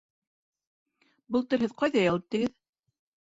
Былтыр һеҙ ҡайҙа ял иттегеҙ?